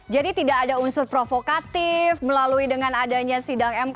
jadi tidak ada unsur provokatif melalui dengan adanya sidang mk